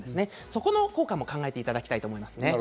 そこの効果も考えていただきたいと思います。